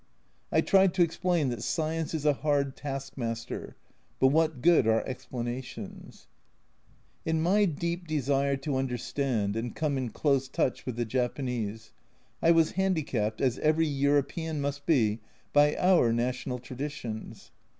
I tried to explain that Science is a hard taskmaster, but what good are explanations ? In my deep desire to understand, and come in close touch with the Japanese, I was handicapped, as every European must be, by our national traditions.